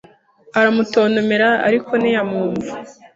Aramutontomera, ariko ntiyamwumva.